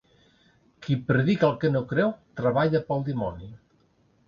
Qui predica el que no creu, treballa pel dimoni.